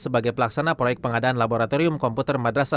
sebagai pelaksana proyek pengadaan laboratorium komputer madrasa